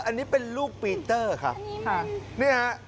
อันนี้เป็นลูกปีเตอร์ครับนี่ครับครับ